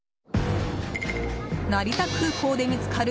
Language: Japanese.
成田空港で見つかる